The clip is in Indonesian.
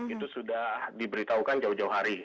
itu sudah diberitahukan jauh jauh hari